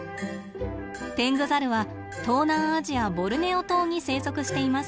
テングザルは東南アジアボルネオ島に生息しています。